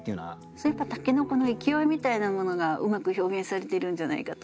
それはやっぱり筍の勢いみたいなものがうまく表現されているんじゃないかと思います。